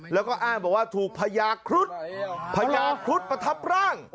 แล้วก็อ้างบอกว่าถูกพญาครุฑพญาครุฑประทับร่าง